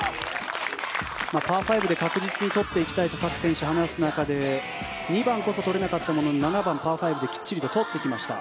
パー５で確実に取っていきたいと各選手、話す中で２番こそ取れなかったものの７番、パー５できちっと取っていきました。